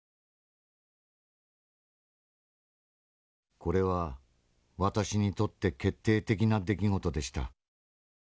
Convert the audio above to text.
「これは私にとって決定的な出来事でした。